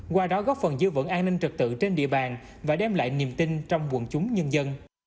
qua đó góp phần dư vận an ninh trực tự trên địa bàn và đem lại niềm tin trong quận chúng nhân dân